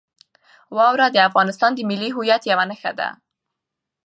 واوره د افغانستان د ملي هویت یوه نښه ده.